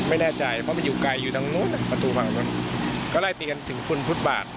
ไม่แน่ใจเพราะมันอยู่ไกลอยู่ทางนู้นประตูฝั่งนู้นก็ไล่ตีกันถึงคุณพุทธบาท